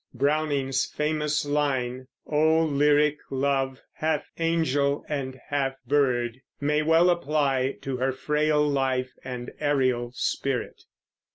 Browning's famous line, "O lyric love, half angel and half bird," may well apply to her frail life and aerial spirit.